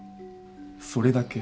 それだけ。